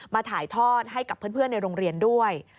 ถ่ายทอดให้กับเพื่อนในโรงเรียนด้วย